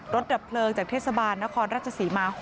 ดับเพลิงจากเทศบาลนครราชศรีมา